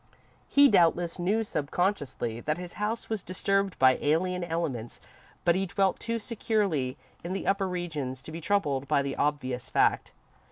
He doubtless knew, subconsciously, that his house was disturbed by alien elements, but he dwelt too securely in the upper regions to be troubled by the obvious fact.